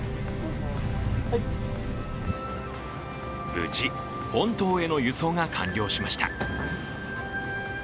無事、本島への輸送が完了しました。